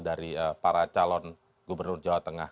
dari para calon gubernur jawa tengah